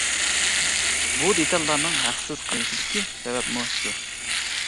بۇ دېتاللارنىڭ ھەقسىز قىلىنىشىدىكى سەۋەبمۇ شۇ.